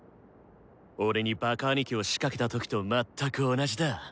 俺にバカ兄貴を仕掛けた時と全く同じだ。